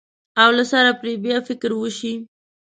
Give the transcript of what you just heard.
او له سره پرې بیا فکر وشي.